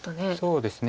そうですね。